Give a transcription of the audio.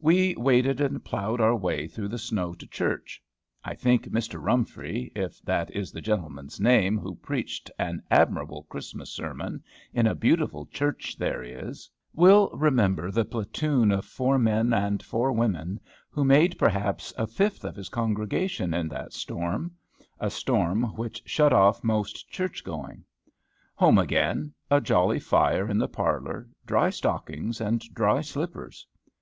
We waded and ploughed our way through the snow to church. I think Mr. Rumfry, if that is the gentleman's name who preached an admirable Christmas sermon, in a beautiful church there is, will remember the platoon of four men and four women, who made perhaps a fifth of his congregation in that storm, a storm which shut off most church going. Home again; a jolly fire in the parlor, dry stockings, and dry slippers.